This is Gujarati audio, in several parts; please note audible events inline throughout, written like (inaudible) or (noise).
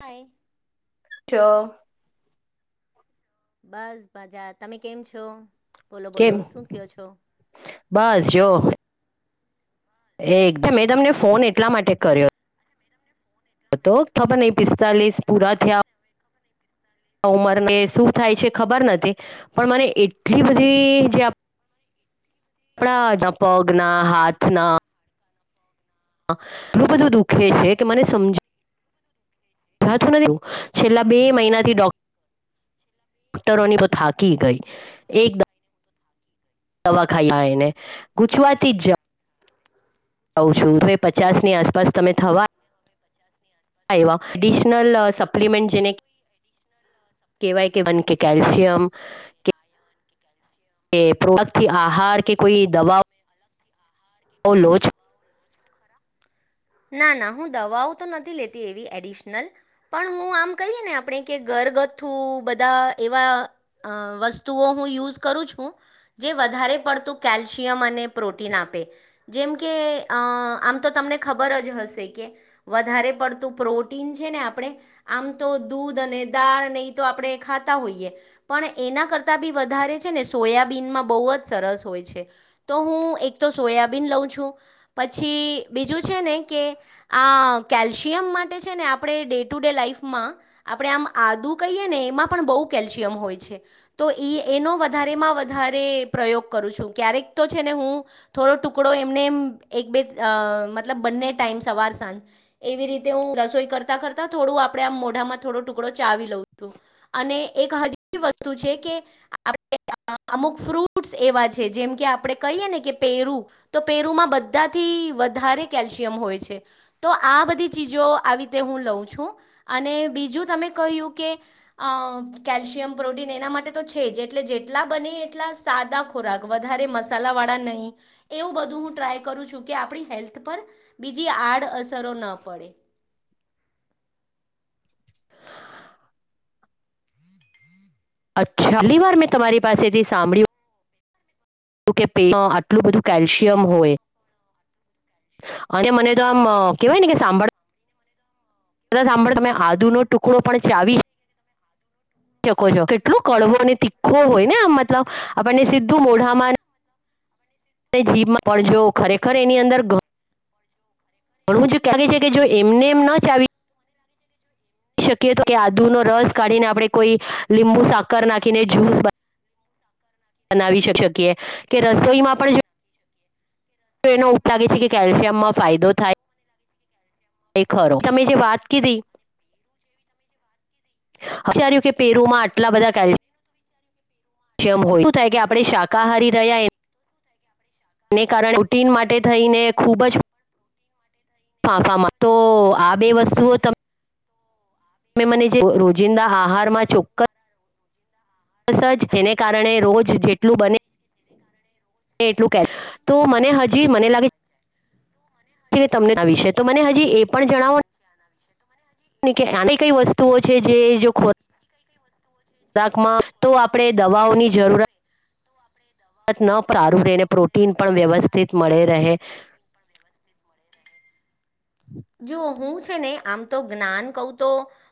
હ. છ. બસ મજા તમે કેમ છો. બોલો બોલો કેમ શું કયો છો બસ જો. એ એકદમ મે તમને ફોન એટલા માટે કર્યો તો ખબર નહીં પિસ્તાલીસ પૂરા થયા ઉમરને શું થાય છે ખબર નથી પણ મને એટલી બધી જે કપડા જ પગના હાથના એટલું બધું દુઃખે છે કે મને સમજ (unintelligible) તું નથી છેલ્લા બે મહિનાથી ડો ડોક્ટરોની થાકી ગઈ એક દવા ખાઈ ખાઈ ને ગૂછવાતી જ જઉ કઉ છુ તોવે પચાસની આસપાસ તમે થવા એવા અડીશનલ સપ્લીમેન્ટ જેને કે કે, વાય કે વન કે કેલ્શિયમ કે પ્રોડક્ટથી આહાર કે કોઈ દવાઓ ઓ લોજ ના, ના હું દવાઓ તો નથી લેતી એવી એડિશનલ પણ હું, આમ કહીએ ને આપણે કે ઘર થુ બધા એવા વસ્તુઓ હું યુઝ કરું છુ, જે વધારે પ ડતો કેલ્શયમ અને પ્રોટીન આપે જેમ કે આમ તો તમને ખબર જ હશે કે વધારે પડતું પ્રોટીન છે, ને આપણે આમ તો દૂધ અને દાડ નહી તો આપણે ખાતા હોઈએ પણ એના કરતા બી વધારે છે, ને સોયાબીનમાં બ જ સરસ હોય છે. તો હું એક તો સોયાબીન લઉ છું પછી બીજુ છે, ને કે આ કેલ્શિયમ માટે છે, ને આપણે ડે ટુ ડે લાઈફમાં આપડે આમ. આદુ કહીએ ને એમાં પણ બહુ કેલ્શિયમ હોય છે, તો ઇ એનો વધારેમાં વધારે. પ્રયોગ કરું છું ક્યારેક તો છે ને હું થોડો ટુકડો એમને એ એક બે અ મતલબ બંને ટાઈમ સવાર સાંજ એવી રીતે હું રસોઈ કરતા કરતા થોડું આપડે આ મોઢામાં થોડો ટુકડો ચાવી લઉ છું અને એક હજી વસ્તુ છે કે આપ અમુક ફ્રૂટ ફ્રૂટ્સ એવા છે જેમ કે આપડે કહીએ ને કે પેરુ તો પેરુમાં બધાથી વધારે કેલ્શિયમ હોય છે. તો આ બધી ચીજો આવી રીતે હું લઉ છું અને બીજુ તમેં કહ્યુ કે અ કેલ્શિયમ પ્રોટીન એના માટે તો છે જ એટલે જેટલા બને એટલા સા સાદા ખોરાક વધારે મસાલા વાળા નહીં, એવું બધું હું ટ્રાય કરું છું કે આપણી હેલ્થ પર બીજી આડઅસરો ન પડે અચ્છા, પહેલી વાર મેં તમારી પાસેથી સાંભળ્યું જો કે પેટમાં આટલું બધું કેલ્શિયમ હોય. અને મને તો આમ કેવાય ને કે સાંભળ તદા સાંભળો તમે આદુનો ટુકડો પણ ચાવીશ શકો છો કેટલો કડવો અનેને તીખો હોય, ને આમ મતલબ આપણને સીધું મોઢામાં તે, જીભમાં પડજો ખરેખર એની અંદર પણ હું જો કાગે છે, કે જો એમને એમ ન ચાવી શકીએ તો કે આદુ નો રસ કાઢીને આપણે કોઈ લીંબુ સાકર નાખીને જ્યુસ બનાવી શકીએ કે રસોઈમાં પણ જો એનો ઉપલાગે છે, કે કેલ્શિયમમાં ફાયદો થાય. એ ખરો તમે જે વાત કીધી અચાર્યુ કે પેરુમાં આટલા બધા કેલ્ જેમ હોય શું થાય કે આપણે શાકાહારી રહ્યા એ તેને કારણે રુટીન માટે થઈને ખૂબ જ ફા ફામાં તો આ બે વસ્તુઓ તમ તમે મને જે રોજિંદા આહારમાં ચોક્કસ સરસ જ એને કારણે રોજ જેટલું બને એટલું કે તો મને હજી મને લાગે તમને વિશે તો મને હજી એ પણ જણાવો આન આની કઈ વસ્તુઓ છે જે જો ખો રાકમાં તો આપણે દવાઓની જરૂરત પત ન પ્રારૂ રહીને પ્રોટીન પણ વ્યવસ્થિત મળે રહે. જો હું છે ને આમ તો જ્ઞાન કહું તો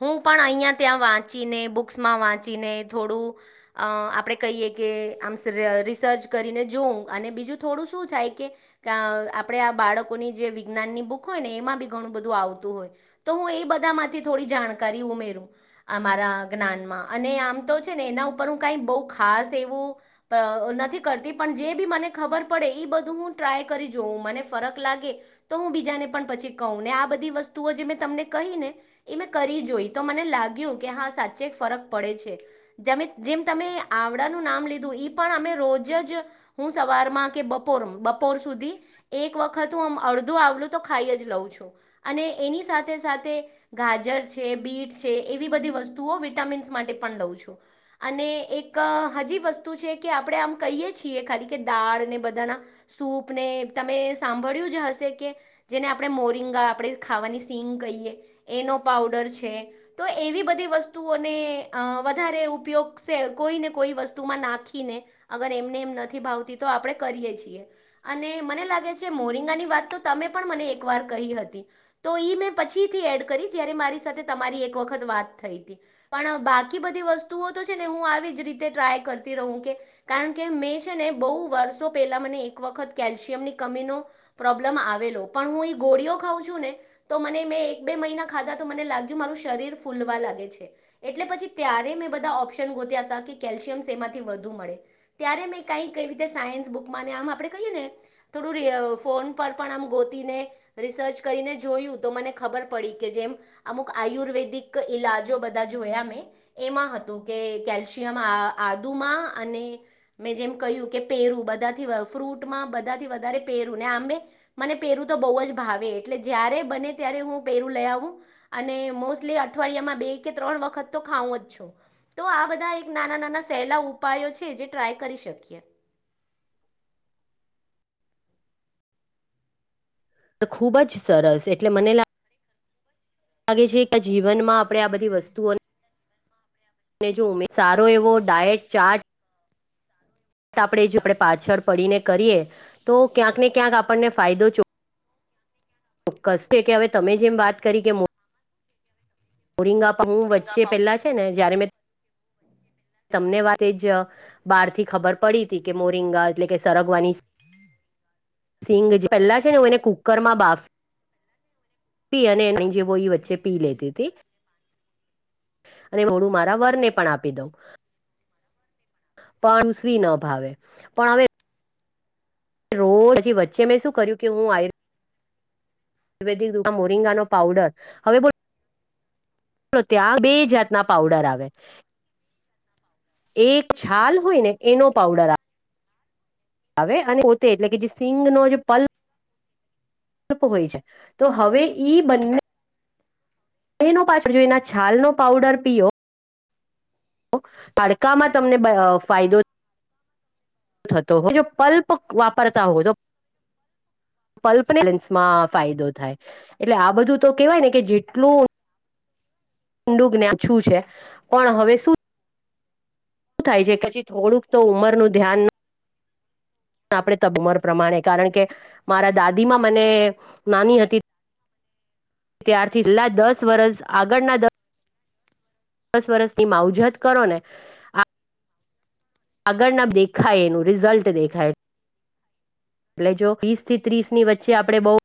હું પણ અહીંયા ત્યાં વાંચીને બુક્સ માં વાંચીને થોડું અ આપણે કહીએ કે આમ રિસર્ચ કરીને જોવું. અને બીજું થોડું શું થાય કે આપણેે આ બાળકોની જે વિજ્ઞાનની બુક હોય ને એમાં થી ધણું બધું આવતું હોય તો હું એ બધામાંથી થોડી જાણકારી ઉમેરું આ મારા જ્ઞાન માં આમ તો છે ને એના ઉપર કાંઈક બહુ ખાસ એવું અ નથી કરતી પણ જે બી મને ખબર પડે ઈ બધું હું ટ્રાય કરી જોઉં મને ફરક લાગે તો હું બીજાને પણ પછી કહું ને આ બધી વસ્તુઓ જે મેં તમને કહી ને એ મેં કરી જોઈ. તો મને લાગ્યું કે હા સાચે ફરક પડે છે. જેમ તમે આવડાનું નામ લીધું પણ અમે રોજ જ હું સવારમાં કે બપોર બપોર સુધી એક વખત હું આમ અડધું આવડું તો ખાઈ જ લઉં. એની સાથે સાથે ગાજર છે, બીટ છે, એવી બધી વસ્તુઓ વિટામિ સ્માટે પણ લઉ છું અને એક હજી વસ્તુ છે કે આપણે આમ કહીએ છીએ ખાલી દાળ ને બધાના સૂપ ને તમે સાંભળ્યું જ હશે કે જેને આપણે મોરી સિંગ આપણે ખાવાની સિંગ કહીએ એનો પાઉડર છે, તો એવી બધી વસ્તુઓને કે અ વધારે ઉપયોગ કોઈને કોઈ વસ્તુમાં નાખીને અગર એમને એમ નથી ભાવતું આપણે કરીએ છીએ અને મને લાગે છે મોરિંગાની વાત તો તમે પણ મને એક વાર કરી હતી. તો મે પછીથી એડ કરી જ્યારે મારી સાથે તમારી એક વખત વાત થઈ તી. પણ બાકી બધી વસ્તુઓ તો છે ને હું આવી જ રીતે ટ્રાય કરતી રહું કે કારણ કે મેં છે ને બહુ વર્ષો પેલા મને એક વખત કેલ્શિયમ ની કમીનો પ્રોબ્લેમ આવેલો પણ હું ગોળીઓ ખાવં છું, ને તો મને મેં એક બે મહિના ખાધા તો મને લાગ્યું મારું શરીર ફૂલવા લાગે છે. એટલે પછી ત્યારે મેં બધા ઓપ્શન ગોત્યા હતા કે કેલ્શિયમ સેમાંથી વધુ મળે ત્યારે મે કાંઈ કાં કઈ રીતે સાયન્સ બુક આમ આપણે કહીએ, ને થોડું ફોન પર પણ આમ ગોતીને રિસર્ચ કરીને જોયું તો મને ખબર પડી કે જેમ અમુક આયુર્વેદિક ઈલાજો બધા જો જો મે એમાં હતું કે કેલ્શિયમ આ આદુમાં અને મે જેમ કહ્યું. પેરુ બધાથી ફ્રૂટમાં બધાથી વધારે પેરું ને આ મને પેરું તો બોવજ. ભાવે એટલે જયારે બને ત્યારે હું પેરું લઈ આવું અને મોસ્ટલી અઠવાડિયામાં બે કે ત્રણ વખત તો ખાવું જ છું. તો આ બધા એક નાના નાના સહેલા ઉપાયો છે, જે ટ્રાય કરી શકીએ. (unintelligible) (inaudible) પણ ખૂબ જ સરસ એટલે મને લા લાગે છે કે આ જીવનમાં આપણે આ બધી વસ્તુઓને તને જો ઉમેદસારો એવો ડાયટ ચાર્ટ આપણે જો આપણે પાછળ પડીને કરીએ તો ક્યાંક ને ક્યાંક આપણને ફાયદો જો ચોક્કસ છે કે હવે તમે જેમ વાત કરી કે મો ઓરિંગા પાઉ વચ્ચે પેલા છે ને જયારે મે તમને વાત જ બહાર થી ખબર પડી હતી કે મોરિંગા એટલે કે સરગવાની સિંગ જે પહેલાં છે, ને એને કુકરમાં બાફુ પી અને ન જે વહી બચ્ચે પી લેતી તી. અને મોડું મારા વરને પણ આવેલો. પણ ઉજવી ન ભાવે પણ હવે રોજ હજી વચ્ચે મેં શું કર્યું કે હું આયુ આયુર્વેદિક મોરિંગાનો પાવડર હવે બોલો. ત્યાં બે જાતના પાઉડર આવે. એક છાલ હોયને એનો પાવડર આપે. આવે અને પોતે એટલે કે જે સિંગ ન જે પલ તપ હોય છે, તો હવે ઈ બંને તેનો પાછળ જોઈના છાલનો પાવડર પીયો. તડકામાં તમને અ ફાયદો થતો હોય, જો પલ્પ વાપરતા હો તો. પલ્પ બેલેન્સમાં ફાયદો થાય, એટલે આ બધું તો કેવાય ને કે જેટલું ડું જ્ઞ શું છે પણ હવે શું. શું થાય છે પછી થોડુંક તો ઉંમરનું ધ્યાન. આપણે તબમર પ્રમાણે કારણ કે મારા દાદી માં મને નાની હતી. ત્યારથી છેલ્લા દસ વર્ષ આગળના દસ. દસ વર્ષની માવજત કરો ને આ. આગળના દેખાય એનું રિઝલ્ટ દેખાય. એટલે જો વીસ થી ત્રીસની વચ્ચે આપણે બહુ.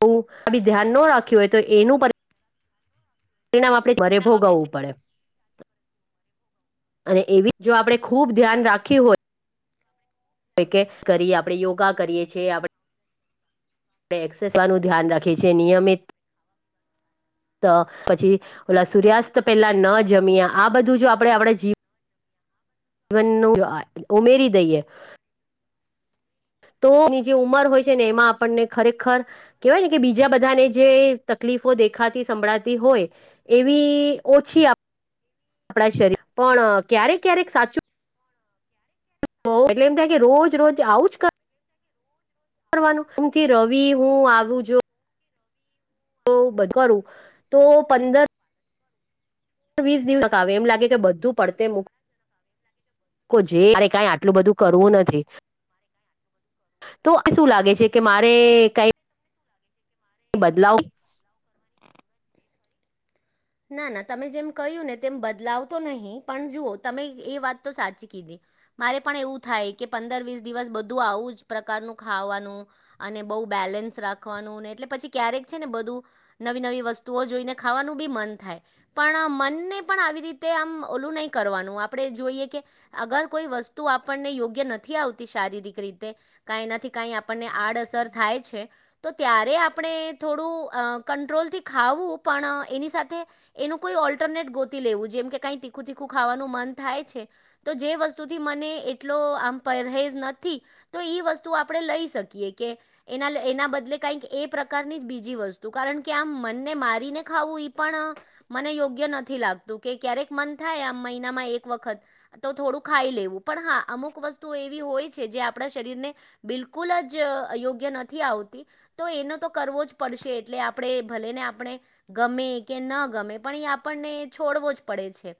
બ આ બી ધ્યાન ન રાખ્યું હોય તો એનું પર. પરિણામ આપણે ભરે ભોગવવું પડે. અને એવી જો આપણે ખૂબ ધ્યાન રાખ્યું હોય. કે કરી આપણે યોગા કરીએ છીએ આપણે. આપણે એક્સેસવાનું ધ્યાન રાખી છે નિયમિત. પછી ઓલા સૂર્યાસ્ત પેલા ન જમીએ આ બધું જો આપણે આપણે જીવ. જીવનનું ઉમેરી દઈએ. તોની જે ઉંમર હોય છે ને એમાં આપણને ખરેખર કેહેવાય ને કે બીજા બધાને જે. તકલીફો દેખાતી સંભળાતી હોય એવી ઓછી આપ આપણા શરીર પણ ક્યારેક ક્યારેક સાચું. એટલે એમ થાય કે રોજ રોજ આવુંજ કર. કરવાનું શમથી રવિ હું આવું જો. ધું કરું તો પંદર. વીસ દિવસ તક આવે એમ લાગે કે બધું પડતે મૂક. જે મારે કઈ આટલું બધું કરવું નથી. તો શું લાગે છે કે મારે કઈ. બદલાવ. ના ના તમે જેમ કહ્યું ને તેમ બદલાવતો નહીં પણ જુઓ તમે એ વાત તો સાચી કીધી. મારે પણ એવું થાય કે પંદર વીસ દિવસ બધું આવું જ પ્રકારનું ખાવાનું અને બ. બેલેન્સ રાખવાનું એટલે પછી ક્યારેક છે ને બધું નવી નવી વસ્તુઓ જોઈને ખાવાનું બી મન. થાય પણ મનને પણ આવી રીતે આમ ઓલું નહીં કરવાનું આપણે જોઈએ કે અગર કોઈ વસ્તુ આપણને યોગ્ય નથી આવતી શારીરિક રીતે ક એનાથી ક આપણને આડઅસર થાય. તો ત્યારે આપણે થોડું અ કંટ્રોલથી ખાવું પણ એની સાથે. એનું કોઈ ઓલ્ટરનેટ ગોતી લેવું જેમ કે કઈ તીખું તીખું ખાવાનું મન થાય છે તો જે વસ્તુ. એટ આમ પરહેજ નથી તો વસ્તુ આપણે લઈ શકીએ કે એના. એના બદલે કઈક એ પ્રકારની જ બીજી વસ્તુ કારણ કે આમ મનને મારીને ખાવું ઈ પણ. મને યોગ્ય નથી લાગતું કે ક્યારેક મન થાય આ મહિનામાં એક વખત તો થોડું ખાઈ. લેવુ પણ હ અમુક વસ્તુ એવી હોય છે જે આપણા શરીરને બિલકુલ જ યોગ્ય નથી. આવતી તો એનો તો કરવો જ પડશે એટલે આપણે ભલે ને આપણે ગમે કે ન. ગમે પણ આપને છોડવો જ પડે છે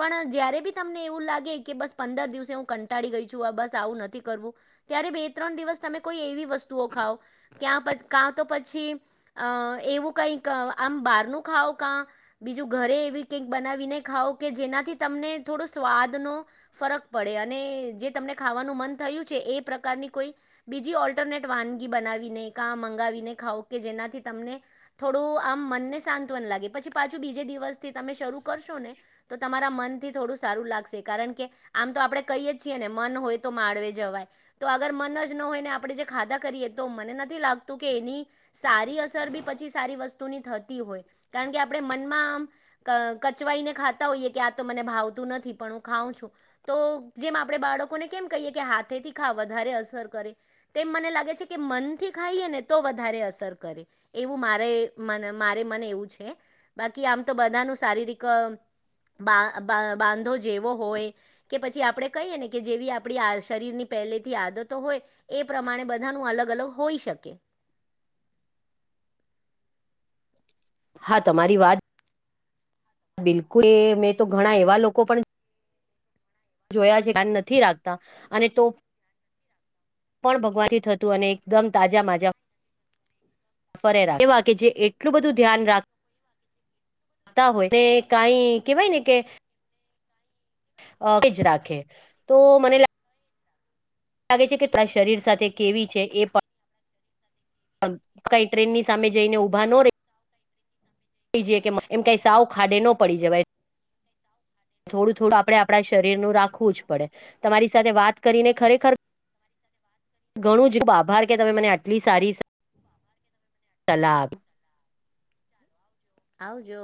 પણ જય્યારે બી તમને એવું લાગે કે બસ પંદર દિવસે હું કંટાળી ગઈ છું બસ આવું નથી કરવું ત્યારે બે ત્રણ દિવસ તમે કોઈ એવી વસ્તુઓ ખાવ. ક્યાં કાં તો પછી અ એવું કઈક આમ બહારનું ખાવ કા. બીજું ઘરે એવી કઈક બનાવીને ખાાવ કે જેનાથી તમને થોડો સ્વાદનોો ફરક પડે. અને જે તમને ખાવાનું મન થયું છે એ પ્રકારની કોઈ બીજી ઓલ્ટરનેટ વાનગી બનાવી. મંગાવીને ખાવ કે જેનાથી તમને થોડું આમ મનને શંતવન લાગે પછી. પાછું બીજ દિવસથી તમે શરૂ કરશો ને તો તમારા મન. થોડું સારું લાગશે કારણ કે આમ તો આપણે કહી છીએ ને મન હોય તો માળવે જવાય તો. મ જ હોય ને આપે જે ખાધા કરીએ તો મને નથી લાગતું કે એની સારી અસર બી પછી સારી. વસ્તુની થતી હોય કારણ કે આપ. આપ મનમાં આમ કચવાઈને ખાતા હોઈએ કે આ તો મને ભાવતું નથી પણ હું ખાઉં છું. તો જેમ આપણે બાળકોને કેમ કહીએ કે હાથેથી ખા વધારે અસર કરે તેમ મને લાગે છે કે. મનથી ખાઈ ને તો વધારે અસર કરે એવું મારે મારે મને એવું છે. બાકી આમ તો બધાનું શારીરિક બા. જેવો હોય કે પછી આપડણે કહીએ ને કે જેવી આપણી શરીરની પહેલેથી આદતો હોય એ પ્રમાણે બધાનું અલગ અલગ હોઈ શકે ઓકે છે હા તમારી વાત બિલકુલ એ મેં તો ઘણા એવા લોકો પણ જોયા છે ક નથી રાખતા અને તો પણ ભગવાનથી થતું અને એકદમ તાજા માજા ફરે એવા કે જે એટલું બધું ધ્યાન રાખ તા હોય તે કઈ કેવાય ને કે અ એજ રાખે તો મને લાગ મને લાગે છે કે તરા શરીર સાથે કેવી છે એ પણ કંઈ ટ્રેનની સામે જઈને ઊભા ન રે કહી જઈએ કે એમ કાંઈ સાવ ખાડે ન પડી જવાય થોડું થોડું આપડણે આપણા શરીર નું રાખવું જ પડે તમારી સાથે વાત કરીને ખરેખર ઘણું જ આભાર કે તમે મને આટલી સારી તલાબ આવજો